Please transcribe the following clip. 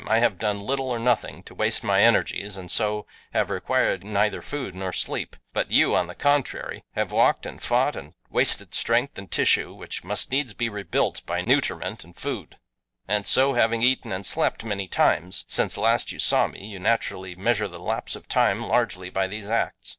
I have done little or nothing to waste my energies and so have required neither food nor sleep, but you, on the contrary, have walked and fought and wasted strength and tissue which must needs be rebuilt by nutriment and food, and so, having eaten and slept many times since last you saw me you naturally measure the lapse of time largely by these acts.